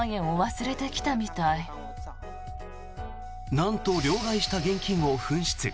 なんと、両替した現金を紛失。